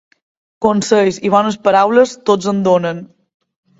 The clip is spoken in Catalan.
Consells i bones paraules, tots en donen.